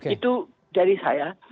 itu dari saya